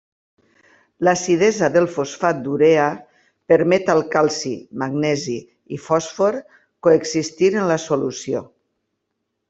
L'acidesa del fosfat d'urea permet al calci, magnesi i fòsfor coexistir en la solució.